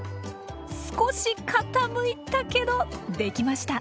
少し傾いたけどできました！